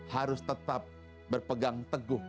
harus tetap berpegang teguh